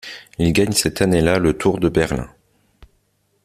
Il gagne cette année-là le Tour de Berlin.